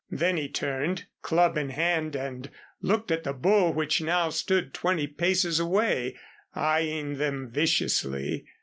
Then he turned, club in hand, and looked at the bull which now stood twenty paces away, eying them viciously.